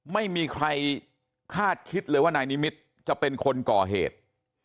ไม่มีใครคาดคิดเลยว่านายนิมิตรจะเป็นคนก่อเหตุ